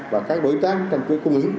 và các đối tác trang quyết cung ứng